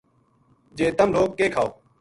جے تم لوک کے کھاؤ